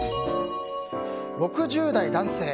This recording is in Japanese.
６０代男性。